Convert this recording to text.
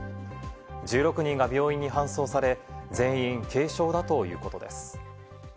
１６人が病院に搬送され、全員軽傷だということです。